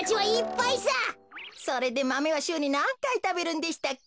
それでマメはしゅうになんかいたべるんでしたっけ？